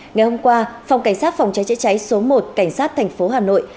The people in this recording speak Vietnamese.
ngày hôm qua phòng cảnh sát phòng cháy cháy cháy số một cảnh sát tp hà nội